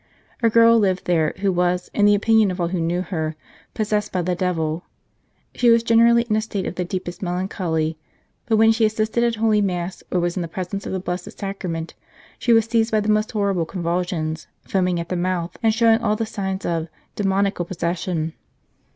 A girl lived there who was, in the opinion of all who knew her, possessed by the 120 The Christian Doctrine devil. She was generally in a state of the deepest melancholy, but when she assisted at Holy Mass or was in presence of the Blessed Sacrament she was seized by the most horrible convulsions, foam ing at the mouth and showing all the signs of demoniacal possession.